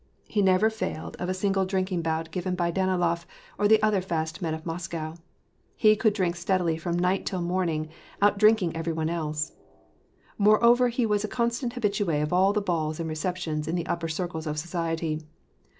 He never failed of a 850 WAR AND PEACE. single drinking bout giyen by Danilof or the other fast men of Moscow : he could drink steadily from night till morning, out drinking every one else ; moreover, he was a constant habihU of all the balls and receptions in the upper circles of society.